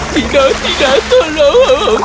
tidak tidak tolong